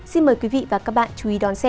xin mời quý vị và các bạn chú ý đón xem